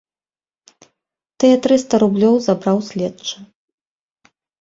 Тыя трыста рублёў забраў следчы.